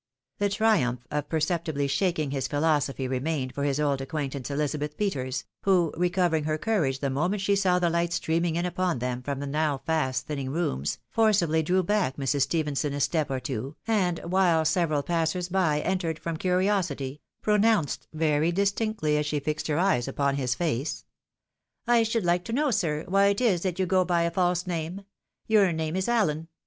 The triumph of perceptibly shaking his philosophy remained for his old acquaintance EHzabeth Peters, who, recoveriag her courage the moment she saw the light streaming in upon them from the now fast thinning rooms, forcibly drew back Mrs. Stephenson a step or two, and while several passers by entered from curiosity, pronounced very dis tinctly, as she fixed her eyes upon his face —" I should like to know, sir, why it is that you go by a false name ? Your name is Allen.